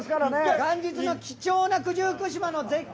元日の貴重な九十九島の絶景